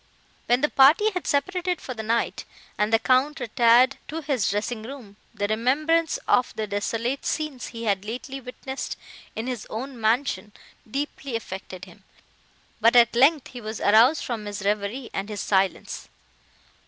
When the party had separated for the night, and the Count retired to his dressing room, the remembrance of the desolate scenes he had lately witnessed in his own mansion deeply affected him, but at length he was aroused from his reverie and his silence.